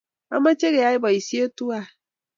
Amoche keyai poisyet twai